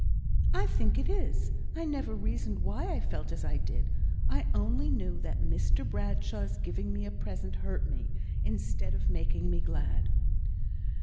"I think it is. I never reasoned why I felt as I did; I only knew that Mr Bradshaw's giving me a present hurt me, instead of making me glad."